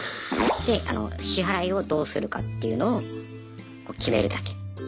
で支払いをどうするかっていうのを決めるだけ。